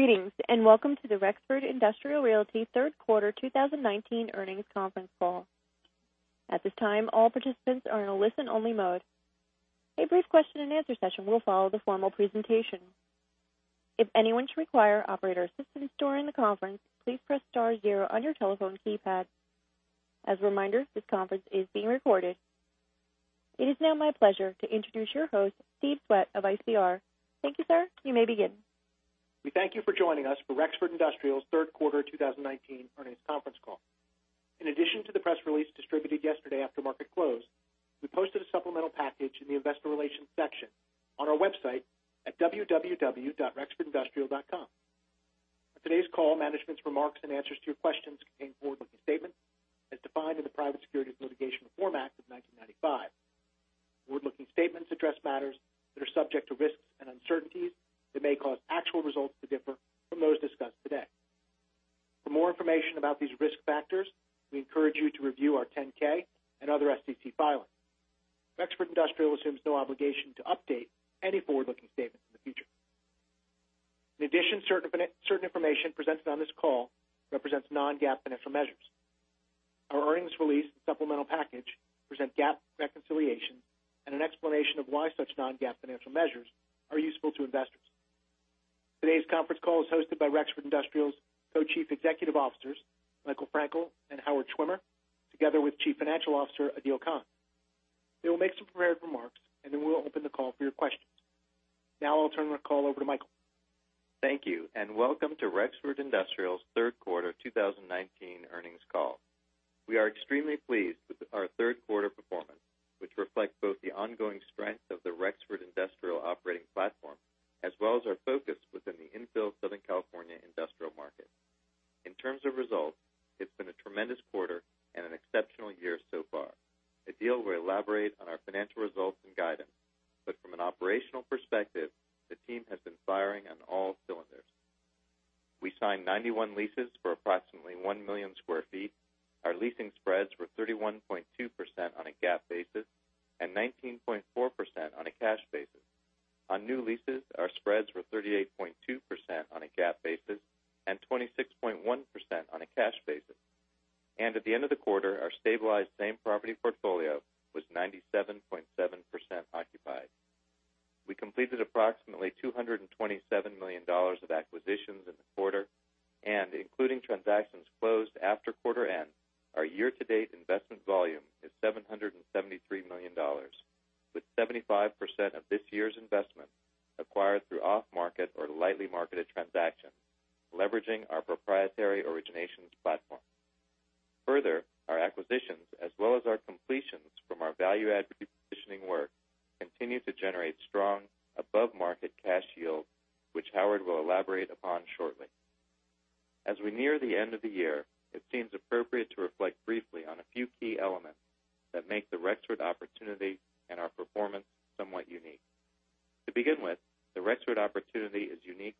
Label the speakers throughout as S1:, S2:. S1: Greetings, and welcome to the Rexford Industrial Realty third quarter 2019 earnings conference call. At this time, all participants are in a listen-only mode. A brief question and answer session will follow the formal presentation. If anyone should require operator assistance during the conference, please press star zero on your telephone keypad. As a reminder, this conference is being recorded. It is now my pleasure to introduce your host, Stephen Swett of ICR. Thank you, sir. You may begin.
S2: We thank you for joining us for Rexford Industrial's third quarter 2019 earnings conference call. In addition to the press release distributed yesterday after market close, we posted a supplemental package in the investor relations section on our website at www.rexfordindustrial.com. On today's call, management's remarks and answers to your questions contain forward-looking statements as defined in the Private Securities Litigation Reform Act of 1995. Forward-looking statements address matters that are subject to risks and uncertainties that may cause actual results to differ from those discussed today. For more information about these risk factors, we encourage you to review our 10-K and other SEC filings. Rexford Industrial assumes no obligation to update any forward-looking statements in the future. In addition, certain information presented on this call represents non-GAAP financial measures. Our earnings release and supplemental package present GAAP reconciliation and an explanation of why such non-GAAP financial measures are useful to investors. Today's conference call is hosted by Rexford Industrial's Co-Chief Executive Officers, Michael Frankel and Howard Schwimmer, together with Chief Financial Officer, Adeel Khan. They will make some prepared remarks, and then we'll open the call for your questions. Now I'll turn the call over to Michael.
S3: Thank you. Welcome to Rexford Industrial's third quarter 2019 earnings call. We are extremely pleased with our third quarter performance, which reflects both the ongoing strength of the Rexford Industrial operating platform, as well as our focus within the infill Southern California industrial market. In terms of results, it's been a tremendous quarter and an exceptional year so far. Adeel will elaborate on our financial results and guidance. From an operational perspective, the team has been firing on all cylinders. We signed 91 leases for approximately 1 million square feet. Our leasing spreads were 31.2% on a GAAP basis and 19.4% on a cash basis. On new leases, our spreads were 38.2% on a GAAP basis and 26.1% on a cash basis. At the end of the quarter, our stabilized same property portfolio was 97.7% occupied. We completed approximately $227 million of acquisitions in the quarter. Including transactions closed after quarter end, our year-to-date investment volume is $773 million, with 75% of this year's investment acquired through off-market or lightly marketed transactions, leveraging our proprietary originations platform. Further, our acquisitions, as well as our completions from our value-add repositioning work, continue to generate strong above-market cash yield, which Howard will elaborate upon shortly. As we near the end of the year, it seems appropriate to reflect briefly on a few key elements that make the Rexford opportunity and our performance somewhat unique. To begin with, the Rexford opportunity is unique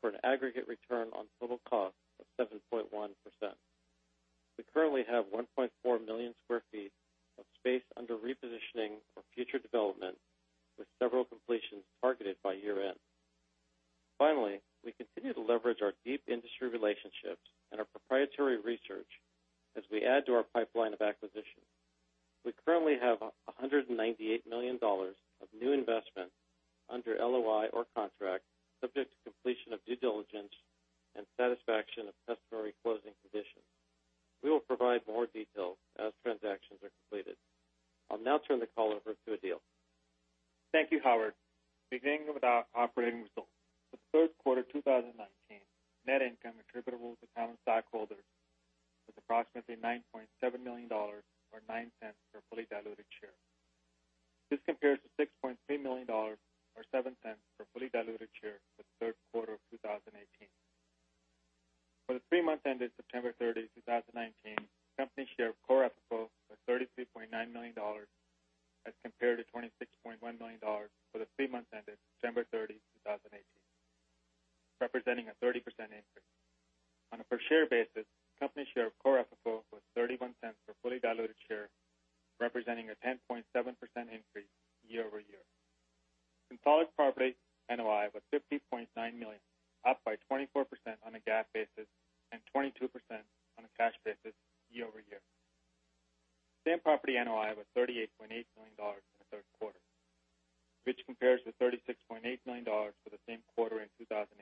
S4: for an aggregate return on total cost of 7.1%. We currently have 1.4 million sq ft of space under repositioning for future development with several completions targeted by year-end. Finally, we continue to leverage our deep industry relationships and our proprietary research as we add to our pipeline of acquisitions. We currently have $198 million of new investment under LOI or contract, subject to completion of due diligence and satisfaction of customary closing conditions. We will provide more details as transactions are completed. I'll now turn the call over to Adeel.
S5: Thank you, Howard. Beginning with our operating results. For the third quarter 2019, net income attributable to the common stockholders was approximately $9.7 million or $0.09 per fully diluted share. This compares to $6.3 million or $0.07 per fully diluted share for the third quarter of 2018. For the three months ended September 30, 2019, the company's share of Core FFO was $33.9 million as compared to $26.1 million for the three months ended September 30, 2018, representing a 30% increase. On a per share basis, company's share of Core FFO was $0.31 per fully diluted share, representing a 10.7% increase year-over-year. Consolidated property NOI was $50.9 million, up by 24% on a GAAP basis and 22% on a cash basis year-over-year. Same-Property NOI was $38.8 million in the third quarter, which compares to $36.8 million for the same quarter in 2018,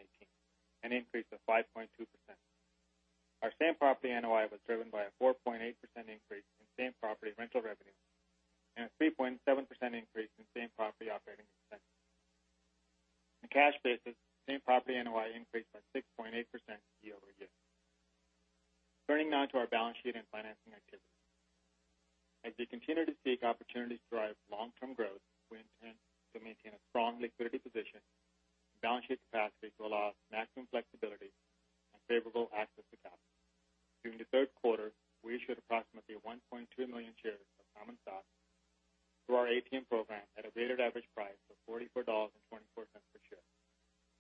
S5: an increase of 5.2%. Our Same-Property NOI was driven by a 4.8% increase in Same-Property rental revenue and a 3.7% increase in Same-Property operating expense. On a cash basis, Same-Property NOI increased by 6.8% year-over-year. Turning now to our balance sheet and financing activity. As we continue to seek opportunities to drive long-term growth, we intend to maintain a strong liquidity position and balance sheet capacity to allow maximum flexibility and favorable access to capital. During the third quarter, we issued approximately 1.2 million shares of common stock through our ATM program at a weighted average price of $44.24 per share,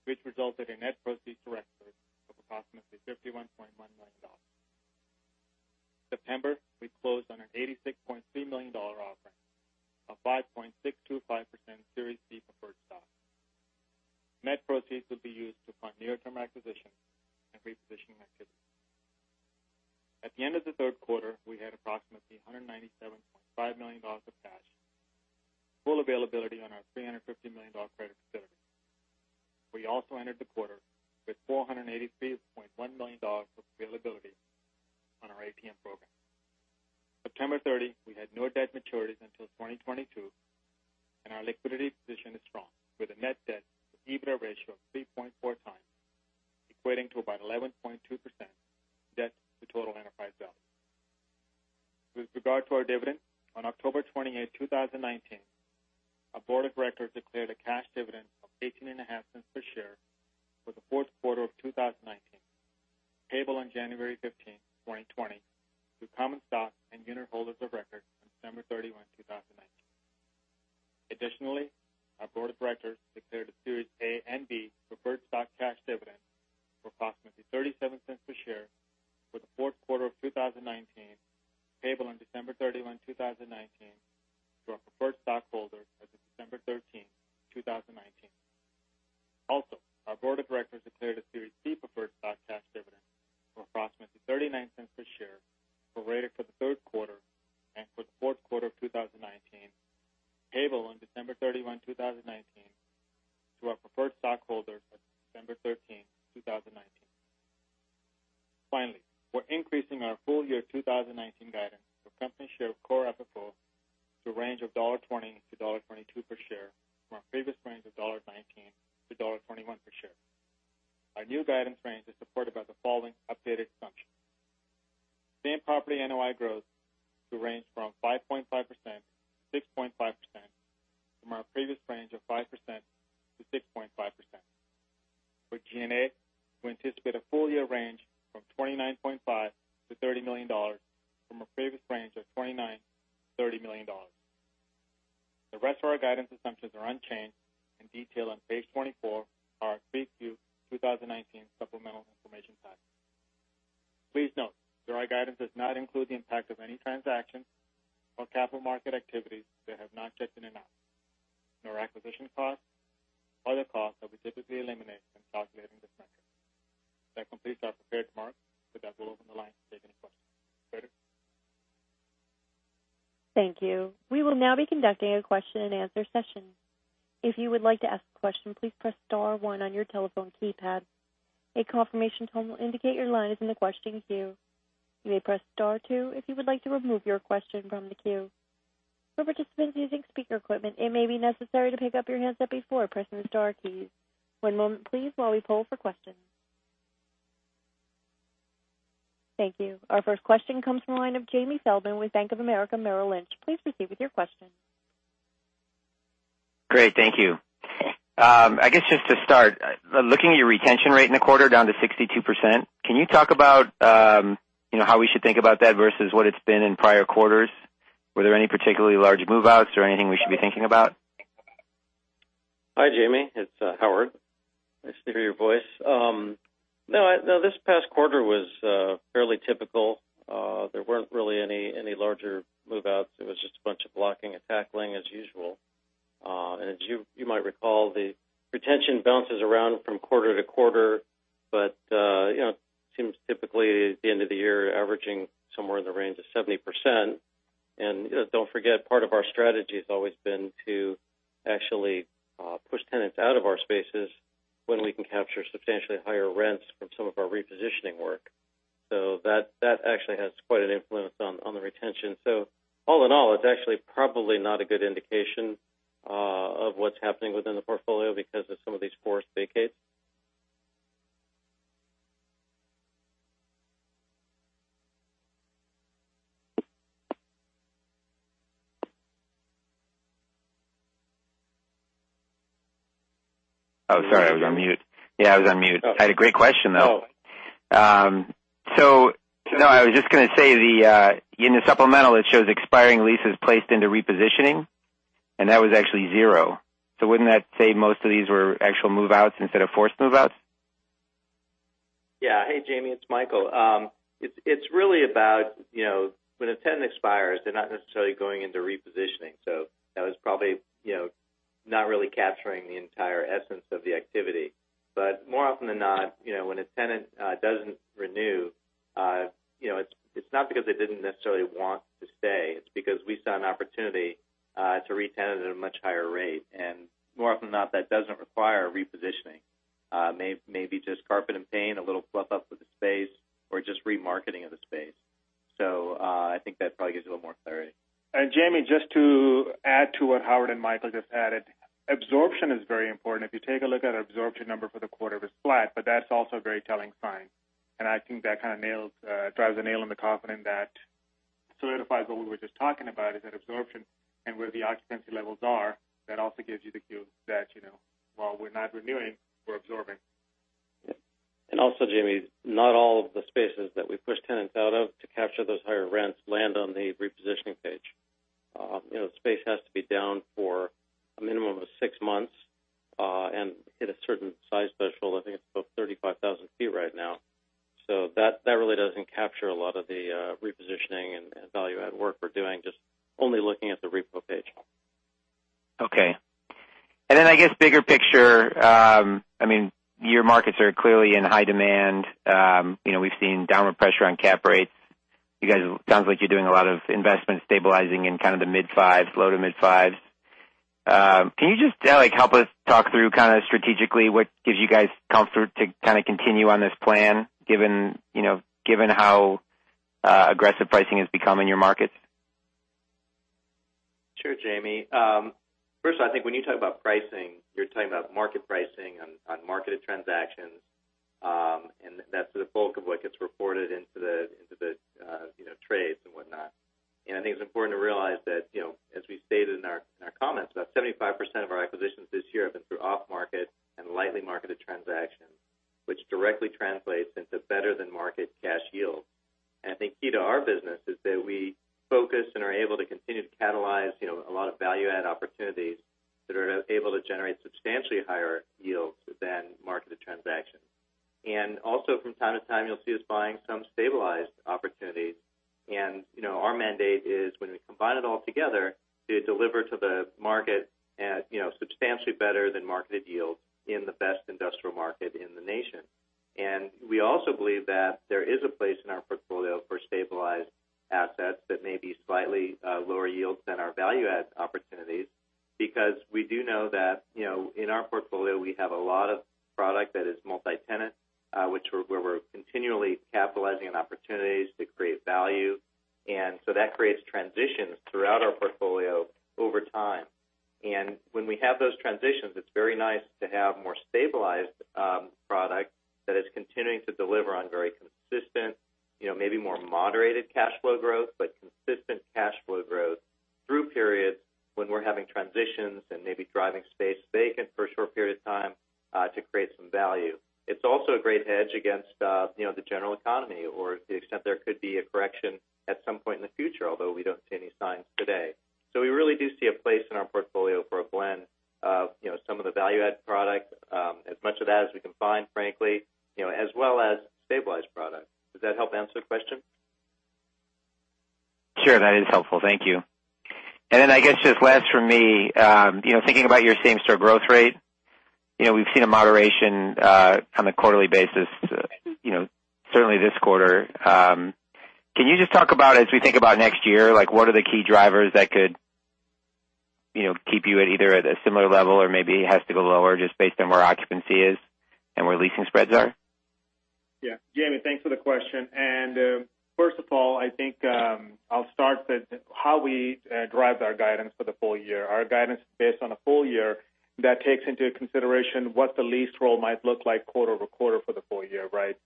S5: which resulted in net proceeds to Rexford of approximately $51.1 million. In September, we closed on an $86.3 million offering of 5.625% Series B preferred stock. Net proceeds will be used to fund near-term acquisitions and repositioning activities. At the end of the third quarter, we had approximately $197.5 million of cash, full availability on our $350 million credit facility. We also ended the quarter with $483.1 million of availability on our ATM program. September 30, we had no debt maturities until 2022. Our liquidity position is strong with a net debt to EBITDA ratio of 3.4 times, equating to about 11.2% debt to total enterprise value. With regard to our dividend, on October 28, 2019, our board of directors declared a cash dividend of $0.185 per share for the fourth quarter of 2019, payable on January 15, 2020, to common stock and unit holders of record on December 31, 2019. Our board of directors declared a Series A and B preferred stock cash dividend of approximately $0.37 per share for the fourth quarter of 2019, payable on December 31, 2019, to our preferred stockholders as of December 13, 2019. Our board of directors declared a Series C preferred stock cash dividend of approximately $0.39 per share, prorated for the third quarter and for the fourth quarter of 2019, payable on December 31, 2019, to our preferred stockholders as of December 13, 2019. Finally, we're increasing our full-year 2019 guidance for company share of Core FFO to a range of $1.20-$1.22 per share from our previous range of $1.19-$1.21 per share. Our new guidance range is supported by the following updated assumptions. Same-Property NOI growth to range from 5.5%-6.5% from our previous range of 5%-6.5%. For G&A, we anticipate a full-year range from $29.5 million-$30 million from our previous range of $29 million-$30 million. The rest of our guidance assumptions are unchanged and detailed on page 24 of our Q2 2019 supplemental information packet. Please note, the right guidance does not include the impact of any transactions or capital market activities that have not yet been announced, nor acquisition costs or other costs that we typically eliminate when calculating this metric. That completes our prepared remarks. With that, we'll open the line to take any questions. Operator?
S1: Thank you. We will now be conducting a question-and-answer session. If you would like to ask a question, please press star one on your telephone keypad. A confirmation tone will indicate your line is in the question queue. You may press star two if you would like to remove your question from the queue. For participants using speaker equipment, it may be necessary to pick up your handset before pressing the star keys. One moment please while we poll for questions. Thank you. Our first question comes from the line of Jamie Feldman with Bank of America Merrill Lynch. Please proceed with your question.
S6: Great. Thank you. I guess just to start, looking at your retention rate in the quarter down to 62%, can you talk about how we should think about that versus what it's been in prior quarters? Were there any particularly large move-outs or anything we should be thinking about?
S4: Hi, Jamie. It's Howard. Nice to hear your voice. No, this past quarter was fairly typical. There weren't really any larger move-outs. It was just a bunch of blocking and tackling as usual. As you might recall, the retention bounces around from quarter to quarter, but it seems typically at the end of the year averaging somewhere in the range of 70%. Don't forget, part of our strategy has always been to actually push tenants out of our spaces when we can capture substantially higher rents from some of our repositioning work. That actually has quite an influence on the retention. All in all, it's actually probably not a good indication of what's happening within the portfolio because of some of these forced vacates.
S6: Oh, sorry, I was on mute. Yeah, I was on mute. I had a great question, though.
S4: Oh.
S6: I was just going to say, in the supplemental, it shows expiring leases placed into repositioning, and that was actually zero. Wouldn't that say most of these were actual move-outs instead of forced move-outs?
S3: Hey, Jamie, it's Michael. It's really about when a tenant expires, they're not necessarily going into repositioning. That was probably not really capturing the entire essence of the activity. More often than not, when a tenant doesn't renew, it's not because they didn't necessarily want to stay. It's because we saw an opportunity to re-tenant at a much higher rate. More often than not, that doesn't require repositioning. Maybe just carpet and paint, a little fluff up with the space or just remarketing of the space. I think that probably gives a little more clarity. Jamie, just to add to what Howard and Michael just added, absorption is very important. If you take a look at our absorption number for the quarter, it was flat, but that's also a very telling sign.
S5: I think that kind of drives a nail in the coffin and that solidifies what we were just talking about, is that absorption and where the occupancy levels are, that also gives you the cue that while we're not renewing, we're absorbing. Yep.
S3: Also, Jamie, not all of the spaces that we push tenants out of to capture those higher rents land on the repositioning page. The space has to be down for a minimum of six months and hit a certain size threshold. I think it's about 35,000 feet right now. That really doesn't capture a lot of the repositioning and value-add work we're doing, just only looking at the repo page.
S6: Okay. Then I guess bigger picture, your markets are clearly in high demand. We've seen downward pressure on cap rates. It sounds like you're doing a lot of investment stabilizing in kind of the mid-5s, low to mid-5s. Can you just help us talk through strategically what gives you guys comfort to continue on this plan given how aggressive pricing has become in your markets?
S3: Sure, Jamie. First of all, I think when you talk about pricing, you're talking about market pricing on marketed transactions, that's the bulk of what gets reported into the trades and whatnot. I think it's important to realize that, as we stated in our comments, about 75% of our acquisitions this year have been through off-market and lightly marketed transactions Which directly translates into better than market cash yield. I think key to our business is that we focus and are able to continue to catalyze a lot of value add opportunities that are able to generate substantially higher yields than marketed transactions. Also from time to time, you'll see us buying some stabilized opportunities. Our mandate is when we combine it all together, to deliver to the market at substantially better than marketed yields in the best industrial market in the nation. We also believe that there is a place in our portfolio for stabilized assets that may be slightly lower yields than our value add opportunities, because we do know that in our portfolio, we have a lot of product that is multi-tenant, where we're continually capitalizing on opportunities to create value. That creates transitions throughout our portfolio over time. When we have those transitions, it's very nice to have more stabilized product that is continuing to deliver on very consistent, maybe more moderated cash flow growth, but consistent cash flow growth through periods when we're having transitions and maybe driving space vacant for a short period of time, to create some value. It's also a great hedge against the general economy or to the extent there could be a correction at some point in the future, although we don't see any signs today. We really do see a place in our portfolio for a blend of some of the value add product, as much of that as we can find, frankly, as well as stabilized product. Does that help answer the question?
S6: Sure. That is helpful. Thank you. I guess just last from me, thinking about your same-store growth rate. We've seen a moderation on a quarterly basis, certainly this quarter. Can you just talk about, as we think about next year, what are the key drivers that could keep you at either at a similar level or maybe it has to go lower just based on where occupancy is and where leasing spreads are?
S5: Yeah. Jamie, thanks for the question. First of all, I think I'll start with how we derived our guidance for the full year. Our guidance is based on a full year that takes into consideration what the lease roll might look like quarter-over-quarter for the full year, right?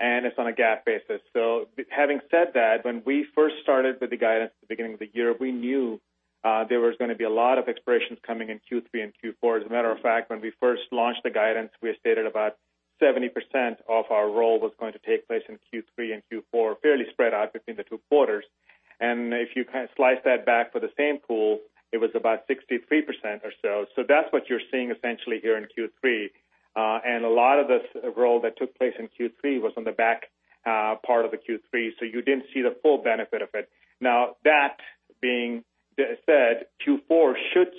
S5: It's on a GAAP basis. Having said that, when we first started with the guidance at the beginning of the year, we knew there was going to be a lot of expirations coming in Q3 and Q4. As a matter of fact, when we first launched the guidance, we had stated about 70% of our roll was going to take place in Q3 and Q4, fairly spread out between the two quarters. If you kind of slice that back for the same pool, it was about 63% or so. That's what you're seeing essentially here in Q3. A lot of the roll that took place in Q3 was on the back part of the Q3, so you didn't see the full benefit of it. That being said, Q4 should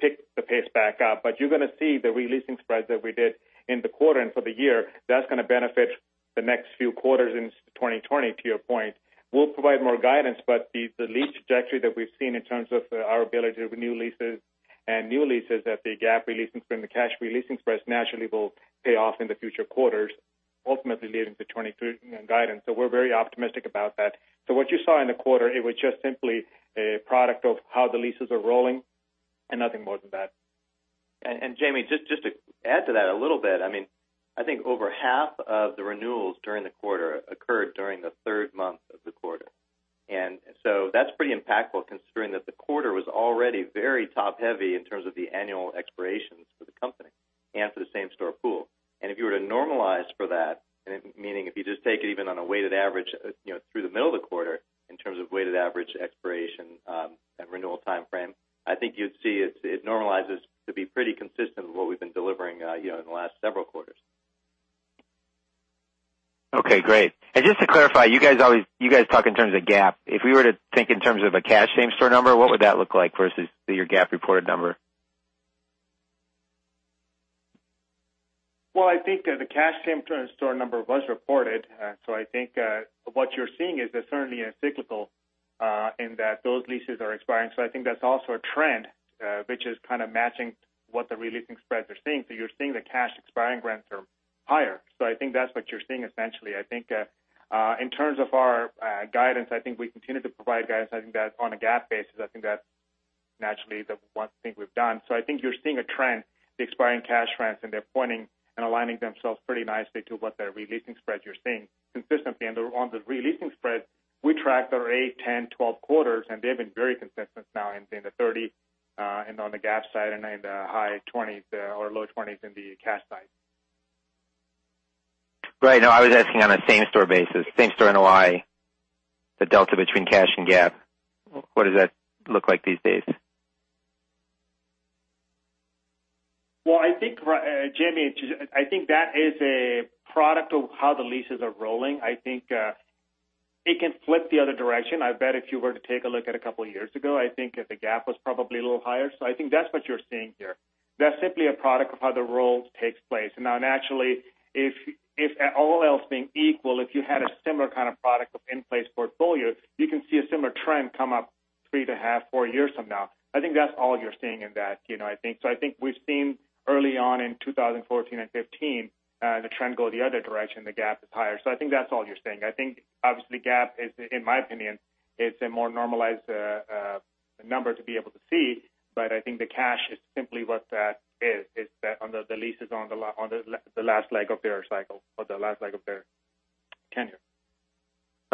S5: pick the pace back up. You're going to see the re-leasing spreads that we did in the quarter and for the year. That's going to benefit the next few quarters into 2020, to your point. We'll provide more guidance, but the lease trajectory that we've seen in terms of our ability with new leases and new leases at the GAAP re-leasing from the cash re-leasing spreads naturally will pay off in the future quarters, ultimately leading to 2023 guidance. We're very optimistic about that. What you saw in the quarter, it was just simply a product of how the leases are rolling and nothing more than that.
S3: Jamie, just to add to that a little bit. I think over half of the renewals during the quarter occurred during the third month of the quarter. That's pretty impactful considering that the quarter was already very top-heavy in terms of the annual expirations for the company and for the same-store pool. If you were to normalize for that, meaning if you just take it even on a weighted average through the middle of the quarter in terms of weighted average expiration, and renewal timeframe, I think you'd see it normalizes to be pretty consistent with what we've been delivering in the last several quarters.
S6: Okay, great. Just to clarify, you guys talk in terms of GAAP. If we were to think in terms of a cash same store number, what would that look like versus your GAAP reported number?
S5: Well, I think the cash same store number was reported. I think what you're seeing is certainly a cyclical, in that those leases are expiring. I think that's also a trend which is kind of matching what the re-leasing spreads are seeing. You're seeing the cash expiring rents are higher. I think that's what you're seeing essentially. I think in terms of our guidance, I think we continue to provide guidance. I think that on a GAAP basis, I think that naturally the one thing we've done. I think you're seeing a trend, the expiring cash rents, and they're pointing and aligning themselves pretty nicely to what the re-leasing spreads you're seeing consistently. On the re-leasing spreads, we track our eight, 10, 12 quarters, and they've been very consistent now in the 30, and on the GAAP side and in the high 20s or low 20s in the cash side.
S6: Right. No, I was asking on a same store basis, same store NOI, the delta between cash and GAAP. What does that look like these days?
S5: Well, Jamie, I think that is a product of how the leases are rolling. I think it can flip the other direction. I bet if you were to take a look at a couple of years ago, I think the GAAP was probably a little higher. I think that's what you're seeing here. That's simply a product of how the roll takes place. Now naturally, if all else being equal, if you had a similar kind of product of in-place portfolio, you can see a similar trend come up three to half, four years from now. I think that's all you're seeing in that. I think we've seen early on in 2014 and 2015, the trend go the other direction, the GAAP is higher. I think that's all you're seeing. I think obviously GAAP is, in my opinion, it's a more normalized number to be able to see, but I think the cash is simply what that is. It's that on the leases on the last leg of their cycle or the last leg of their tenure.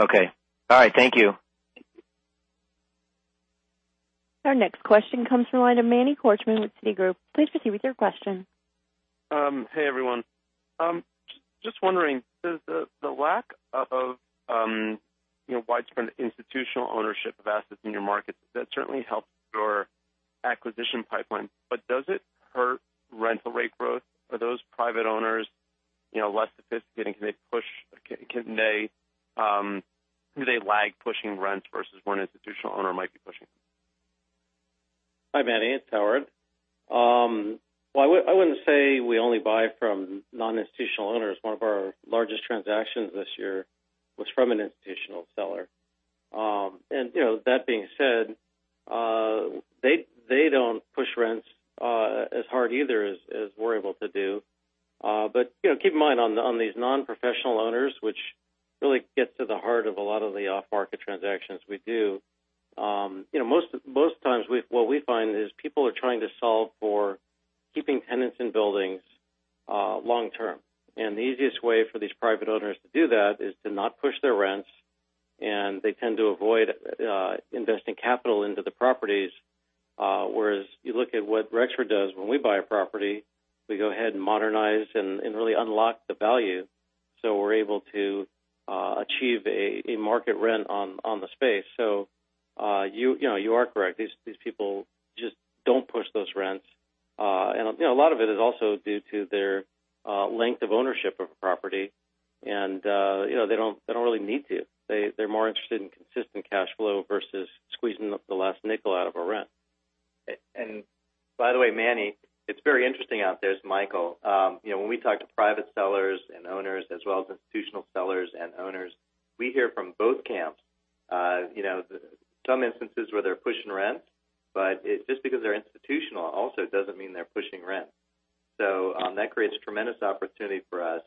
S6: Okay. All right. Thank you.
S1: Our next question comes from the line of Manny Korchman with Citigroup. Please proceed with your question.
S7: Hey, everyone. Just wondering, does the lack of widespread institutional ownership of assets in your markets, that certainly helps your acquisition pipeline, but does it hurt rental rate growth? Are those private owners less sophisticated? Can they lag pushing rents versus one institutional owner might be pushing?
S4: Hi, Manny. It's Howard. I wouldn't say we only buy from non-institutional owners. One of our largest transactions this year was from an institutional seller. That being said, they don't push rents as hard either as we're able to do. Keep in mind on these non-professional owners, which really gets to the heart of a lot of the off-market transactions we do. Most times what we find is people are trying to solve for keeping tenants in buildings long-term. The easiest way for these private owners to do that is to not push their rents, and they tend to avoid investing capital into the properties. You look at what Rexford does when we buy a property, we go ahead and modernize and really unlock the value so we're able to achieve a market rent on the space. You are correct. These people just don't push those rents. A lot of it is also due to their length of ownership of property, and they don't really need to. They're more interested in consistent cash flow versus squeezing the last nickel out of a rent.
S3: By the way, Manny, it's very interesting out there as Michael. When we talk to private sellers and owners as well as institutional sellers and owners, we hear from both camps. Some instances where they're pushing rent, but just because they're institutional also doesn't mean they're pushing rent. That creates tremendous opportunity for us.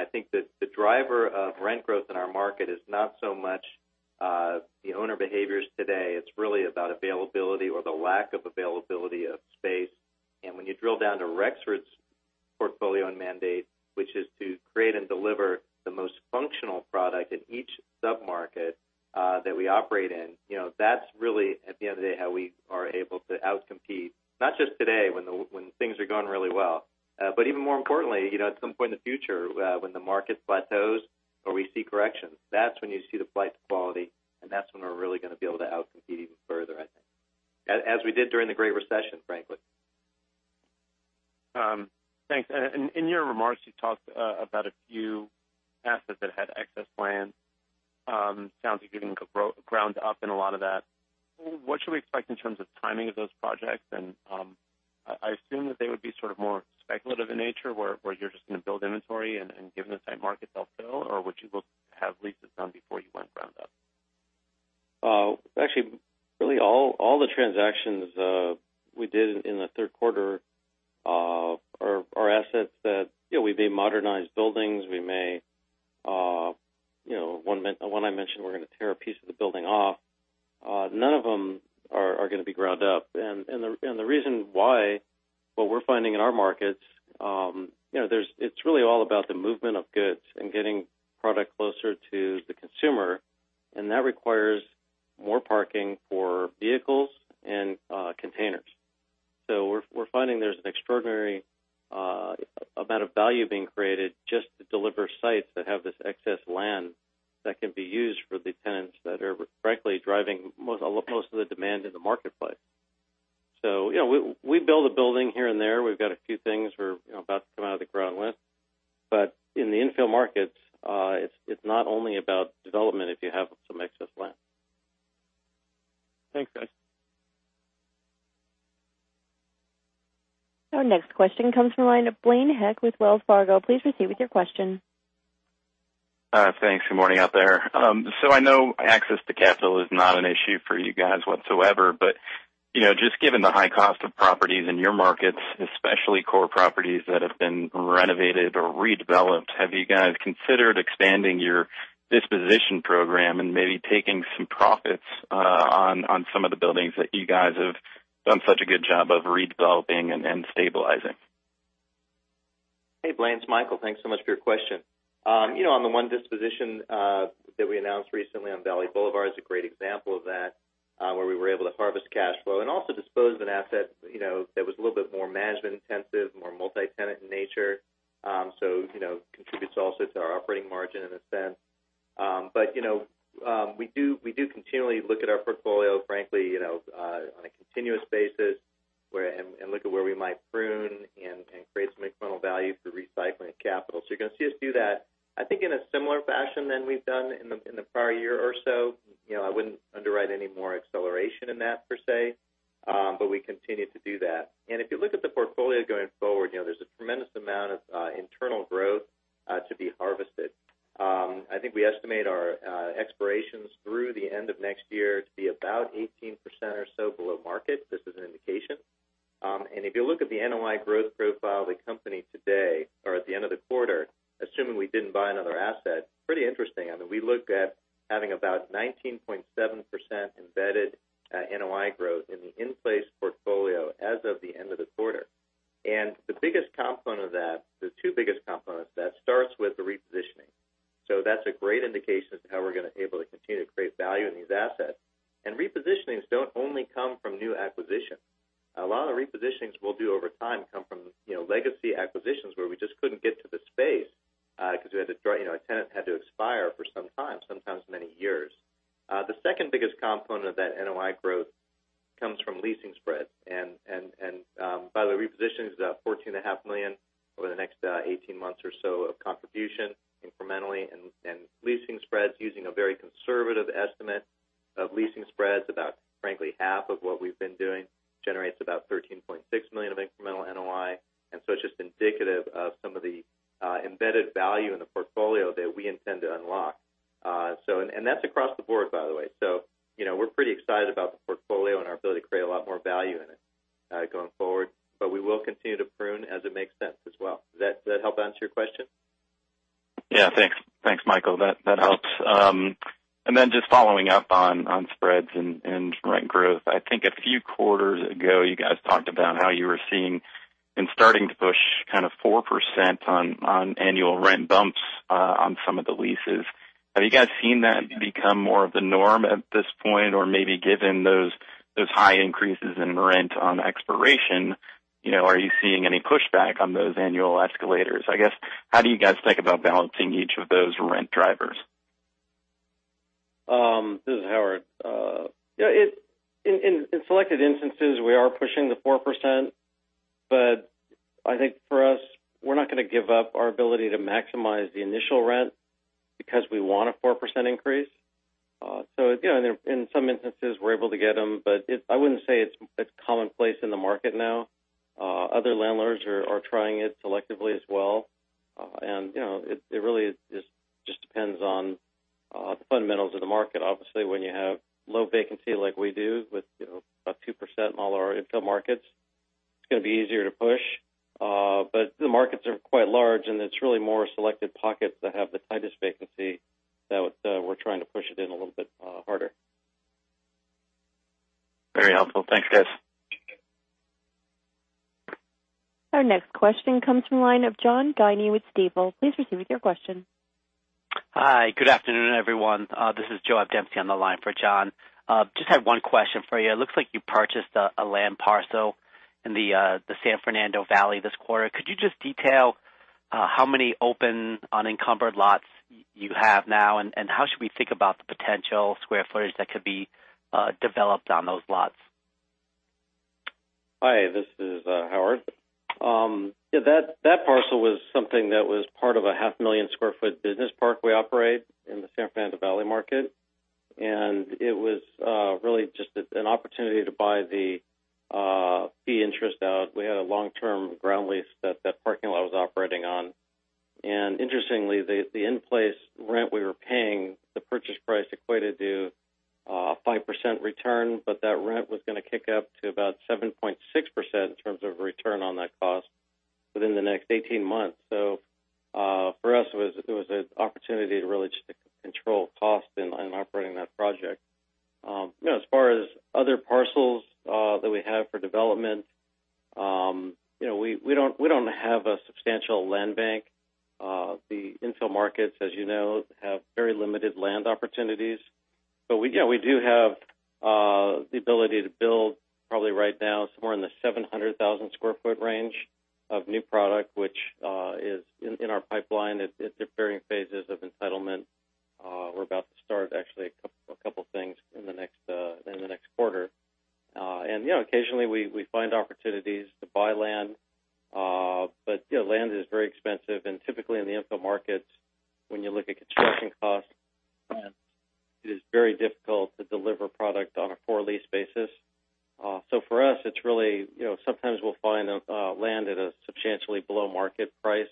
S3: I think that the driver of rent growth in our market is not so much the owner behaviors today. It's really about availability or the lack of availability of space. When you drill down to Rexford's portfolio and mandate, which is to create and deliver the most functional product in each sub-market that we operate in, that's really, at the end of the day, how we are able to out-compete, not just today when things are going really well, but even more importantly, at some point in the future when the market plateaus or we see corrections. That's when you see the flight to quality, and that's when we're really going to be able to out-compete even further, I think. As we did during the Great Recession, frankly.
S7: Thanks. In your remarks, you talked about a few assets that had excess land. Sounds like you're getting ground up in a lot of that. What should we expect in terms of timing of those projects? I assume that they would be sort of more speculative in nature, where you're just going to build inventory and given the same market they'll fill, or would you look to have leases done before you went ground up?
S4: Actually, really all the transactions we did in the third quarter are assets that we may modernize buildings. One I mentioned we're going to tear a piece of the building off. None of them are going to be ground up. The reason why, what we're finding in our markets, it's really all about the movement of goods and getting product closer to the consumer, and that requires more parking for vehicles and containers. We're finding there's an extraordinary amount of value being created just to deliver sites that have this excess land that can be used for the tenants that are frankly driving most of the demand in the marketplace. We build a building here and there. We've got a few things we're about to come out of the ground with. In the infill markets, it's not only about development if you have some excess land.
S7: Thanks, guys.
S1: Our next question comes from the line of Blaine Heck with Wells Fargo. Please proceed with your question.
S8: Thanks. Good morning out there. I know access to capital is not an issue for you guys whatsoever, but just given the high cost of properties in your markets, especially core properties that have been renovated or redeveloped, have you guys considered expanding your disposition program and maybe taking some profits on some of the buildings that you guys have done such a good job of redeveloping and stabilizing?
S3: Hey, Blaine. It's Michael. Thanks so much for your question. The one disposition that we announced recently on Valley Boulevard is a great example of that, where we were able to harvest cash flow and also dispose of an asset that was a little bit more management intensive, more multi-tenant in nature. Contributes also to our operating margin in a sense. We do continually look at our portfolio, frankly, on a continuous basis and look at where we might prune and create some incremental value through recycling of capital. You're going to see us do that, I think, in a similar fashion than we've done in the prior year or so. I wouldn't underwrite any more acceleration in that per se, but we continue to do that. If you look at the portfolio going forward, there's a tremendous amount of internal growth to be harvested. I think we estimate our expirations through the end of next year to be about 18% or so below market. Just as an indication. If you look at the NOI growth profile of the company today or at the end of the quarter, assuming we didn't buy another asset, pretty interesting. I mean, we look at having about 19.7% embedded NOI growth in the in-place portfolio as of the end of the quarter. The biggest component of that, the two biggest components of that starts with the repositioning. That's a great indication of how we're going to be able to continue to create value in these assets. Repositionings don't only come from new acquisitions. A lot of the repositionings we'll do over time come from legacy acquisitions, where we just couldn't get to the space because a tenant had to expire for some time, sometimes many years. The second biggest component of that NOI growth comes from leasing spreads. By the way, repositioning is at $14.5 million over the next 18 months or so of contribution incrementally, leasing spreads using a very conservative estimate of leasing spreads about, frankly, half of what we've been doing generates about $13.6 million of incremental NOI. It's just indicative of some of the embedded value in the portfolio that we intend to unlock. That's across the board, by the way. We're pretty excited about the portfolio and our ability to create a lot more value in it going forward, but we will continue to prune as it makes sense as well. Does that help answer your question?
S8: Yeah. Thanks, Michael. That helps. Just following up on spreads and rent growth. I think a few quarters ago, you guys talked about how you were seeing and starting to push 4% on annual rent bumps on some of the leases. Have you guys seen that become more of the norm at this point? Maybe given those high increases in rent on expiration, are you seeing any pushback on those annual escalators? I guess, how do you guys think about balancing each of those rent drivers?
S4: This is Howard. In selected instances, we are pushing the 4%, but I think for us, we're not going to give up our ability to maximize the initial rent because we want a 4% increase. In some instances, we're able to get them, but I wouldn't say it's commonplace in the market now. Other landlords are trying it selectively as well. It really just depends on the fundamentals of the market. Obviously, when you have low vacancy like we do with about 2% in all our infill markets, it's going to be easier to push. The markets are quite large, and it's really more selective pockets that have the tightest vacancy that we're trying to push it in a little bit harder.
S8: Very helpful. Thanks, guys.
S1: Our next question comes from the line of John Guinee with Stifel. Please proceed with your question.
S9: Hi, good afternoon, everyone. This is Joe Abdemsey on the line for John. Just had one question for you. It looks like you purchased a land parcel in the San Fernando Valley this quarter. Could you just detail how many open unencumbered lots you have now, and how should we think about the potential square footage that could be developed on those lots?
S4: Hi, this is Howard. That parcel was something that was part of a 500,000-square-foot business park we operate in the San Fernando Valley market. It was really just an opportunity to buy the fee interest out. We had a long-term ground lease that that parking lot was operating on. Interestingly, the in-place rent we were paying, the purchase price equated to a 5% return, but that rent was going to kick up to about 7.6% in terms of return on that cost within the next 18 months. For us, it was an opportunity to really just control cost in operating that project. As far as other parcels that we have for development, we don't have a substantial land bank. The infill markets, as you know, have very limited land opportunities. We do have the ability to build probably right now somewhere in the 700,000-square-foot range of new product, which is in our pipeline. It's at varying phases of entitlement. We're about to start actually a couple of things in the next quarter. Occasionally, we find opportunities to buy land. Land is very expensive, and typically in the infill markets, when you look at construction costs, it is very difficult to deliver product on a core lease basis. For us, sometimes we'll find land at a substantially below-market price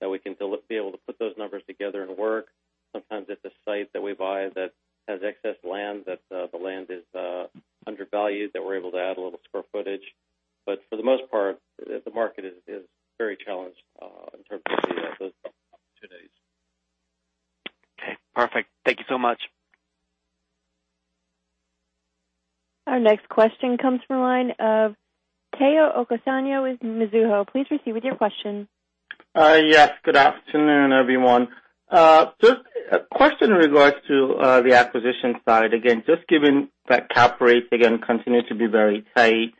S4: that we can be able to put those numbers together and work. Sometimes it's a site that we buy that has excess land, that the land is undervalued, that we're able to add a little square footage. For the most part, the market is very challenged in terms of these opportunities.
S9: Okay, perfect. Thank you so much.
S1: Our next question comes from the line of Omotayo Okusanya with Mizuho. Please proceed with your question.
S10: Yes. Good afternoon, everyone. Just a question in regards to the acquisition side. Just given that cap rates again continue to be very tight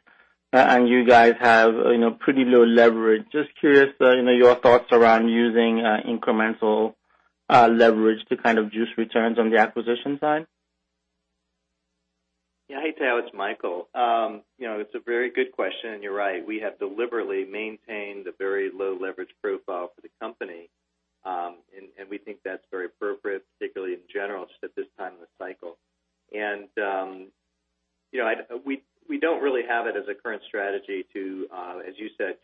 S10: and you guys have pretty low leverage, just curious your thoughts around using incremental leverage to kind of juice returns on the acquisition side.
S3: Yeah. Hey, Tayo, it's Michael. It's a very good question, and you're right. We have deliberately maintained a very low leverage profile for the company. We think that's very appropriate, particularly in general, just at this time in the cycle. We don't really have it as a current strategy to, as you said,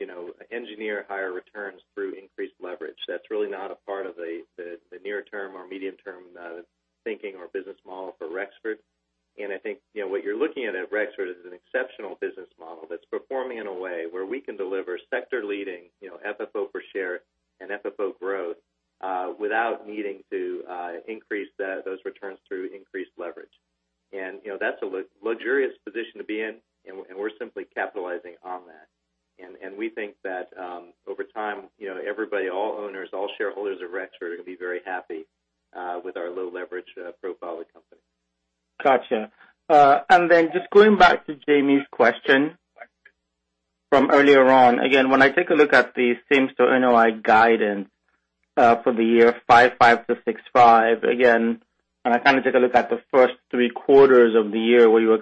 S3: engineer higher returns through increased leverage. That's really not a part of the near-term or medium-term thinking or business model for Rexford. I think what you're looking at Rexford, is an exceptional business model that's performing in a way where we can deliver sector-leading FFO per share and FFO growth without needing to increase those returns through increased leverage. That's a luxurious position to be in, and we're simply capitalizing on that.
S4: We think that over time, everybody, all owners, all shareholders of Rexford are going to be very happy with our low leverage profile of the company.
S10: Got you. Just going back to Jamie's question from earlier on. When I take a look at the Same-Property NOI guidance for the year 5.5% to 6.5%. When I take a look at the first three quarters of the year where you were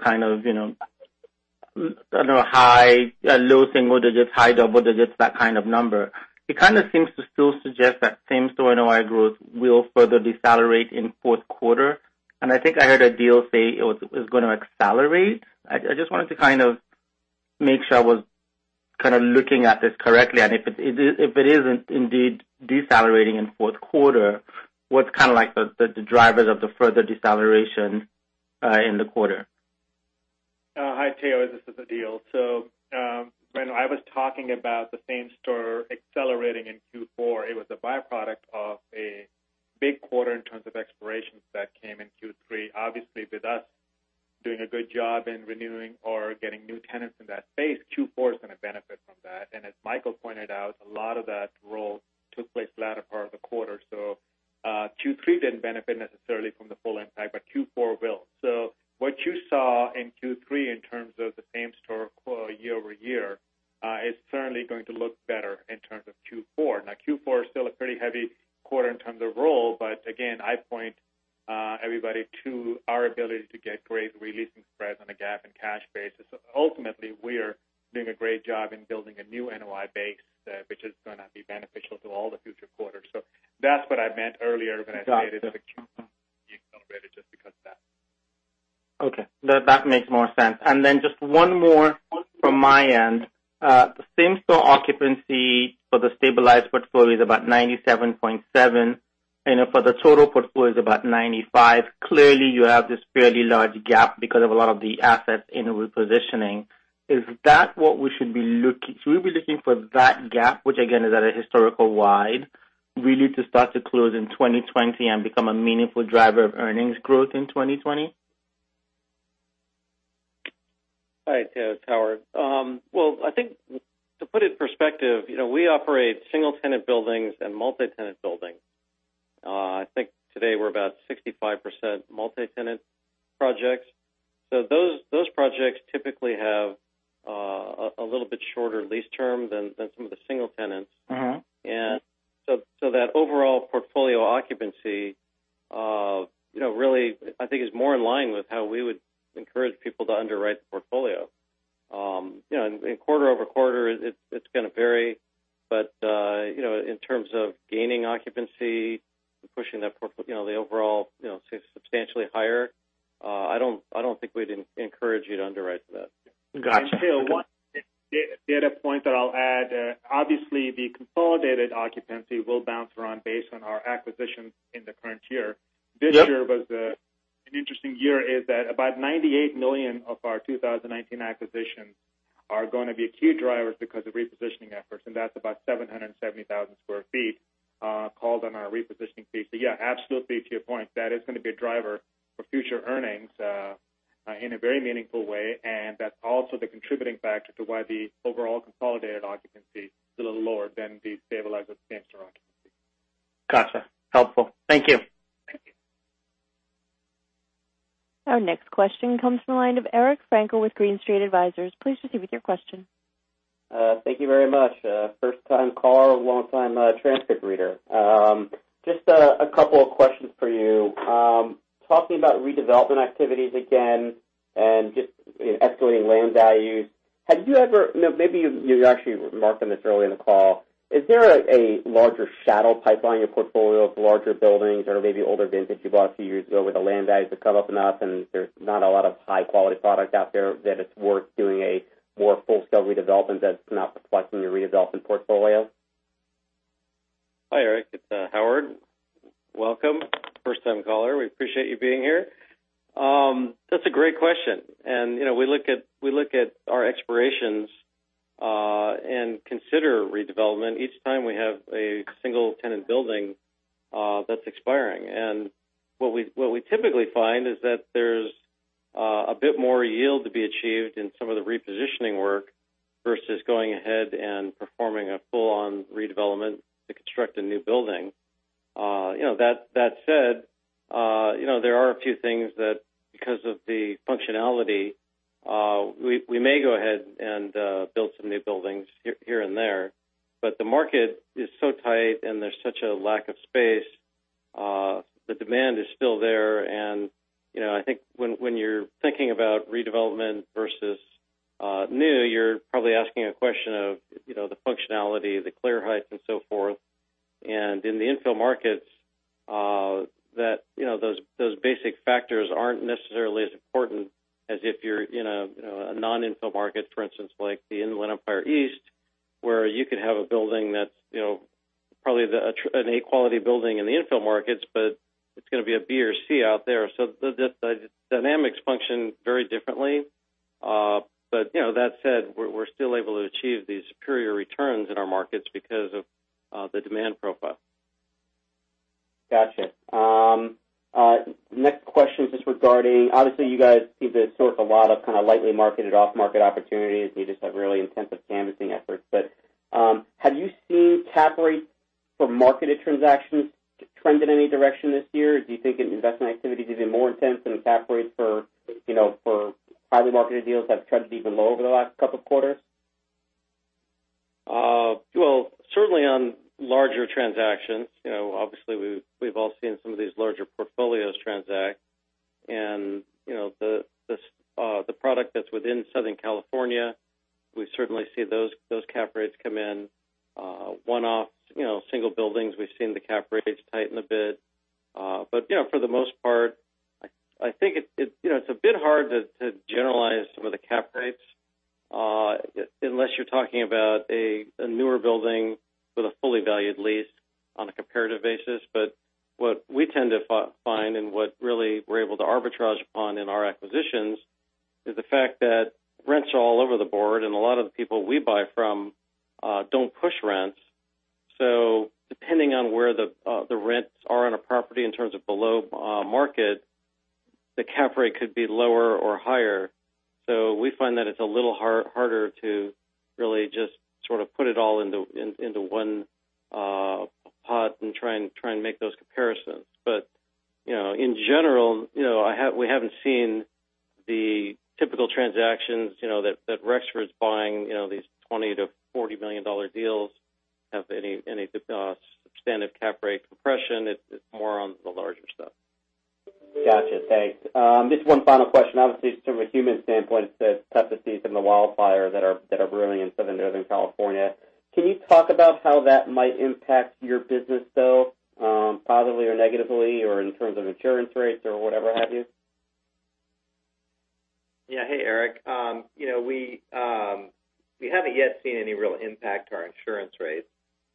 S10: low single digits, high double digits, that kind of number. It kind of seems to still suggest that Same-Property NOI growth will further decelerate in the fourth quarter. I think I heard Adeel say it was going to accelerate. I just wanted to make sure I was looking at this correctly. If it isn't indeed decelerating in the fourth quarter, what's the drivers of the further deceleration in the quarter?
S5: Hi, Tayo. This is Adeel. When I was talking about the same store accelerating in Q4, it was a byproduct of a big quarter in terms of expirations that came in Q3. Obviously, with us doing a good job in renewing or getting new tenants in that space, Q4 is going to benefit from that. As Michael pointed out, a lot of that role took place the latter part of the quarter. Q3 didn't benefit necessarily from the full impact, but Q4 will. What you saw in Q3 in terms of the same store growth year-over-year is certainly going to look better in terms of Q4. Q4 is still a pretty heavy quarter in terms of role. Again, I point everybody to our ability to get great re-leasing spreads on a GAAP and cash basis. Ultimately, we are doing a great job in building a new NOI base, which is going to be beneficial to all the future quarters. That's what I meant earlier when I stated that Q4 accelerated just because of that.
S10: Okay, that makes more sense. Just one more from my end. The same-store occupancy for the stabilized portfolio is about 97.7%, and for the total portfolio is about 95%. Clearly, you have this fairly large gap because of a lot of the assets in repositioning. Should we be looking for that gap, which again is at a historical wide, really to start to close in 2020 and become a meaningful driver of earnings growth in 2020?
S4: Hi, Tayo, it's Howard. Well, I think to put it in perspective, we operate single-tenant buildings and multi-tenant buildings. I think today we're about 65% multi-tenant projects. Those projects typically have a little bit shorter lease term than some of the single tenants. That overall portfolio occupancy really, I think, is more in line with how we would encourage people to underwrite the portfolio. Quarter-over-quarter, it's going to vary. In terms of gaining occupancy and pushing the overall substantially higher, I don't think we'd encourage you to underwrite to that.
S10: Got you.
S5: Tayo, one data point that I'll add. Obviously, the consolidated occupancy will bounce around based on our acquisitions in the current year. This year was an interesting year in that about $98 million of our 2019 acquisitions are going to be key drivers because of repositioning efforts, and that's about 770,000 sq ft called on our repositioning fee. Yeah, absolutely to your point, that is going to be a driver for future earnings in a very meaningful way, and that's also the contributing factor to why the overall consolidated occupancy is a little lower than the stabilized same-store occupancy.
S10: Got you. Helpful. Thank you.
S5: Thank you.
S1: Our next question comes from the line of Eric Frankel with Green Street Advisors. Please proceed with your question.
S11: Thank you very much. First-time caller, long-time transcript reader. Just a couple of questions for you. Talking about redevelopment activities again and just escalating land values. Maybe you actually remarked on this earlier in the call. Is there a larger shadow pipeline in your portfolio of larger buildings or maybe older vintage you bought a few years ago where the land values have come up enough and there's not a lot of high-quality product out there that it's worth doing a more full-scale redevelopment that's not reflected in your redevelopment portfolio?
S4: Hi, Eric. It's Howard. Welcome. First-time caller. We appreciate you being here. That's a great question. We look at our expirations and consider redevelopment each time we have a single-tenant building that's expiring. What we typically find is that there's a bit more yield to be achieved in some of the repositioning work versus going ahead and performing a full-on redevelopment to construct a new building. That said, there are a few things that because of the functionality, we may go ahead and build some new buildings here and there. The market is so tight, and there's such a lack of space. The demand is still there, and I think when you're thinking about redevelopment versus new, you're probably asking a question of the functionality, the clear height, and so forth. In the infill markets, those basic factors aren't necessarily as important as if you're in a non-infill market, for instance, like the Inland Empire East, where you could have a building that's probably an A quality building in the infill markets, but it's going to be a B or C out there. The dynamics function very differently. That said, we're still able to achieve these superior returns in our markets because of the demand profile.
S11: Gotcha. Next question is just regarding, obviously you guys seem to source a lot of kind of lightly marketed off-market opportunities and you just have really intensive canvassing efforts. Have you seen cap rates for marketed transactions trend in any direction this year? Do you think investment activity is even more intense than cap rates for highly marketed deals have trended even low over the last couple of quarters?
S4: Well, certainly on larger transactions, obviously we've all seen some of these larger portfolios transact and the product that's within Southern California, we certainly see those cap rates come in. One-offs, single buildings, we've seen the cap rates tighten a bit. For the most part, I think it's a bit hard to generalize some of the cap rates, unless you're talking about a newer building with a fully valued lease on a comparative basis. What we tend to find and what really we're able to arbitrage upon in our acquisitions, is the fact that rents are all over the board and a lot of the people we buy from don't push rents. Depending on where the rents are on a property in terms of below market, the cap rate could be lower or higher. We find that it's a little harder to really just sort of put it all into one pot and try and make those comparisons. In general, we haven't seen the typical transactions that Rexford's buying these $20 million-$40 million deals have any substantive cap rate compression. It's more on the larger stuff.
S11: Gotcha. Thanks. Just one final question. Obviously, from a human standpoint, the tragedies from the wildfires that are brewing in Southern Northern California. Can you talk about how that might impact your business, though, positively or negatively, or in terms of insurance rates or whatever have you?
S3: Yeah. Hey, Eric. We haven't yet seen any real impact to our insurance rates.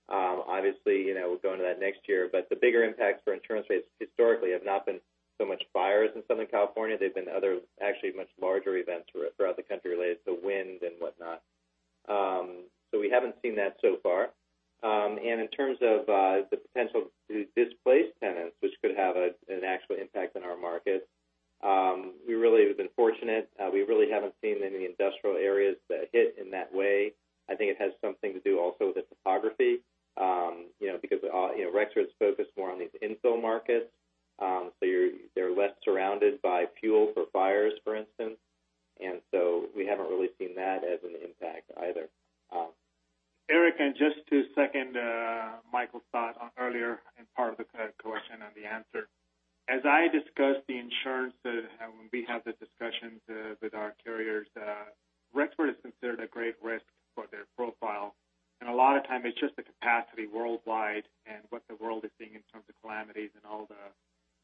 S3: Obviously, we'll go into that next year, but the bigger impacts for insurance rates historically have not been so much fires in Southern California. They've been other, actually much larger events throughout the country related to wind and whatnot. We haven't seen that so far. In terms of the potential to displace tenants, which could have an actual impact on our market, we really have been fortunate. We really haven't seen any industrial areas that hit in that way. I think it has something to do also with the topography, because Rexford's focused more on these infill markets. They're less surrounded by fuel for fires, for instance. We haven't really seen that as an impact either.
S5: Eric, just to second Michael's thought on earlier in part of the question and the answer. As I discussed the insurance when we had the discussions with our carriers, Rexford is considered a great risk for their profile. A lot of time it's just the capacity worldwide and what the world is seeing in terms of calamities and all the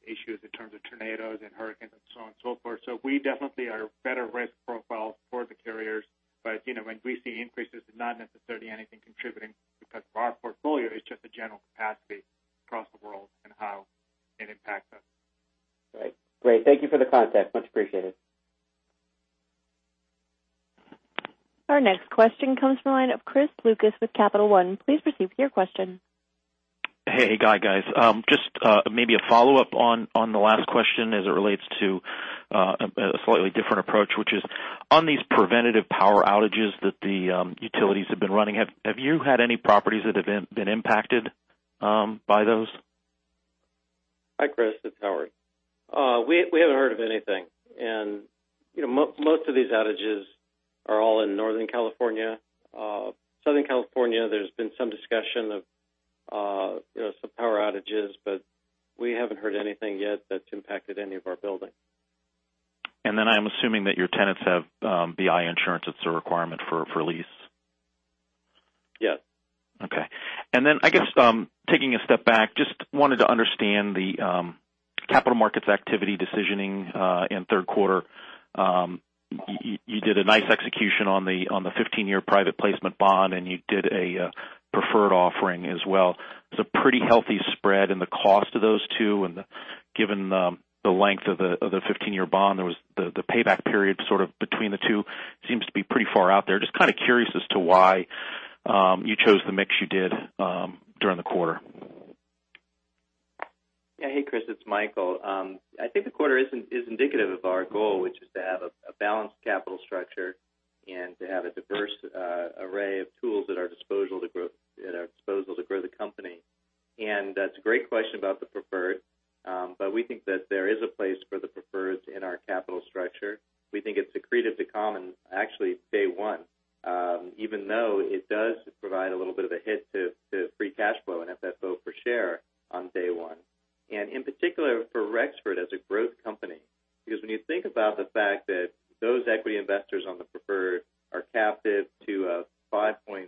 S5: issues in terms of tornadoes and hurricanes and so on and so forth. We definitely are a better risk profile for the carriers. When we see increases, it's not necessarily anything contributing because of our portfolio, it's just the general capacity across the world and how it impacts us.
S11: Great. Thank you for the context. Much appreciated.
S1: Our next question comes from the line of Chris Lucas with Capital One. Please proceed with your question.
S12: Hey, guy. Just maybe a follow-up on the last question as it relates to a slightly different approach, which is on these preventative power outages that the utilities have been running. Have you had any properties that have been impacted by those?
S4: Hi, Chris. It's Howard. We haven't heard of anything. Most of these outages are all in Northern California. Southern California, there's been some discussion of some power outages, but we haven't heard anything yet that's impacted any of our buildings.
S12: I'm assuming that your tenants have BI insurance. It's a requirement for lease.
S4: Yes.
S12: Okay. Then I guess, taking a step back, just wanted to understand the capital markets activity decisioning in third quarter. You did a nice execution on the 15-year private placement bond, and you did a preferred offering as well. It's a pretty healthy spread in the cost of those two, and given the length of the 15-year bond, the payback period sort of between the two seems to be pretty far out there. Just kind of curious as to why you chose the mix you did during the quarter.
S3: Hey, Chris, it's Michael. I think the quarter is indicative of our goal, which is to have a balanced capital structure and to have a diverse array of tools at our disposal to grow the company. That's a great question about the preferred, but we think that there is a place for the preferreds in our capital structure. We think it's accretive to common, actually day one, even though it does provide a little bit of a hit to free cash flow and FFO per share on day one. In particular for Rexford as a growth company, because when you think about the fact that those equity investors on the preferred are captive to a 5.625%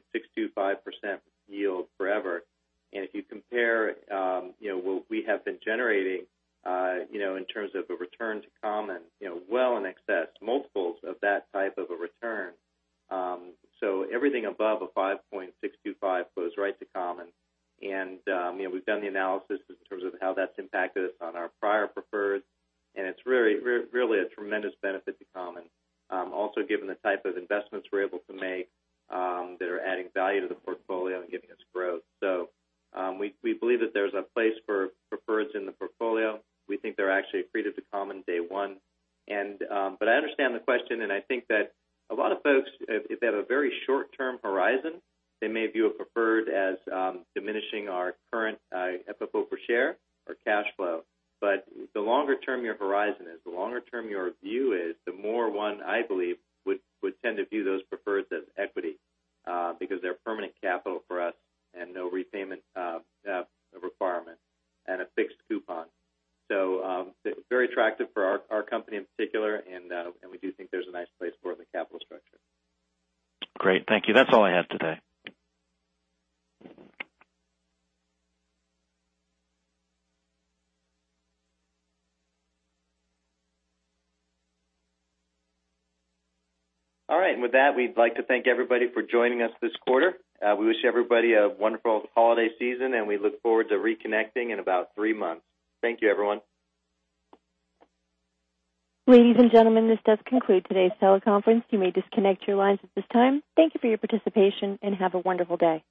S3: we'd like to thank everybody for joining us this quarter. We wish everybody a wonderful holiday season, and we look forward to reconnecting in about three months. Thank you, everyone.
S1: Ladies and gentlemen, this does conclude today's teleconference. You may disconnect your lines at this time. Thank you for your participation, and have a wonderful day.